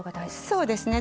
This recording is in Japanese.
そうですね。